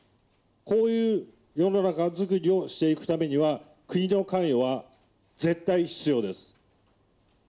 こういう世の中作りをしていくためには、国の関与は絶対必要です。